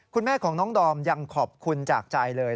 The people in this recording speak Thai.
คุณแม่ของน้องดอมยังขอบคุณจากใจเลย